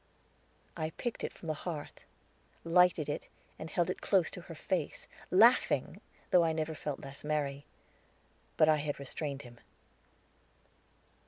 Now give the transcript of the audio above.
I picked it from the hearth, lighted it, and held it close to her face, laughing, though I never felt less merry. But I had restrained him.